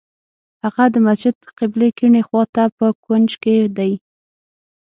هغه د مسجد قبلې کیڼې خوا ته په کونج کې دی.